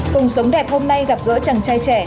cùng sống đẹp hôm nay gặp gỡ chàng trai trẻ